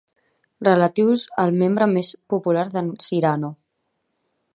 Relatius al membre més popular d'en Cyrano.